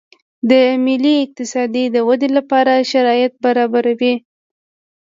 د ملي اقتصاد د ودې لپاره شرایط برابروي